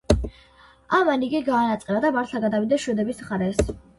ამან იგი გაანაწყენა და მართლა გადავიდა შვედების მხარეს.